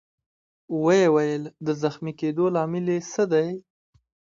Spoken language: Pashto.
ويې ویل: د زخمي کېدو لامل يې څه دی؟